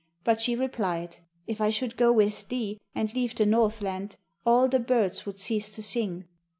But she replied: 'If I should go with thee, and leave the Northland, all the birds would cease to sing.